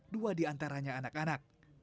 dua diantaranya anak anak